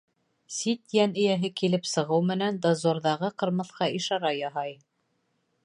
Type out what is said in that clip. Сит йән эйәһе килеп сығыу менән дозорҙағы ҡырмыҫҡа ишара яһай.